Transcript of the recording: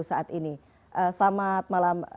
saat ini selamat malam